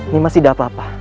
nima tidak apa apa